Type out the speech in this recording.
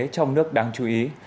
trong nước đáng chú ý